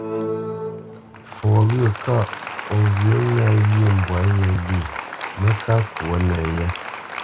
Fɔ wyə̂ kaʼ o ghyə ŋâ wyê mbwǎ yé lyê mə́ ká ŋkwǒ nəyé.